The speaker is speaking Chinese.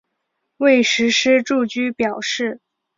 未施实住居表示。